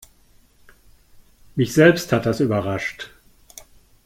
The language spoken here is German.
Mich selbst hat das überrascht.